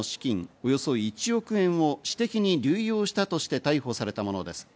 およそ１億円を私的に流用したとして逮捕されたものです。